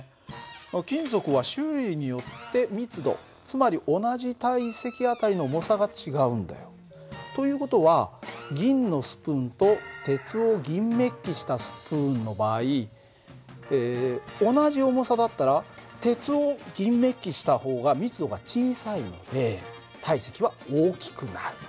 金属は種類によって密度つまり同じ体積あたりの重さが違うんだよ。という事は銀のスプーンと鉄を銀めっきしたスプーンの場合同じ重さだったら鉄を銀めっきした方が密度が小さいんで体積は大きくなる。